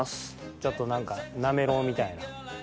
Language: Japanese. ちょっと何かなめろうみたいな。